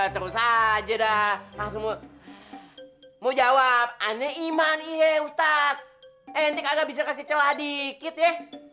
terus aja dah langsung mau jawab aneh iman iye ustadz ente kagak bisa kasih celah dikit ya